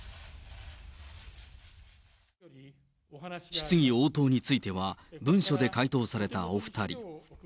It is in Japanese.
質疑応答については、文書で回答されたお２人。